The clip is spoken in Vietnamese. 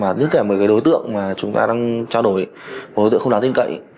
và nhất kể một đối tượng mà chúng ta đang trao đổi một đối tượng không đáng tin cậy